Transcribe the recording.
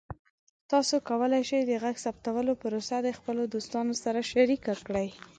تاسو کولی شئ د غږ ثبتولو پروسه د خپلو دوستانو سره شریکه کړئ.